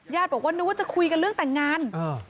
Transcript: บอกว่านึกว่าจะคุยกันเรื่องแต่งงาน